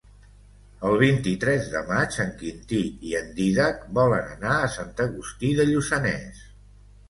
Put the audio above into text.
El vint-i-tres de maig en Quintí i en Dídac volen anar a Sant Agustí de Lluçanès.